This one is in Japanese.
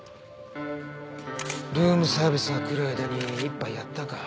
ルームサービスが来る間に一杯やったか。